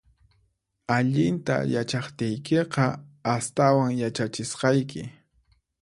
Allinta yachaqtiykiqa, astawan yachachisqayki